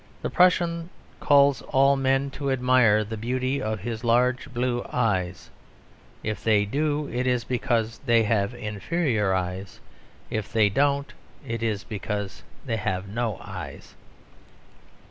The Prussian calls all men to admire the beauty of his large blue eyes. If they do, it is because they have inferior eyes: if they don't, it is because they have no eyes.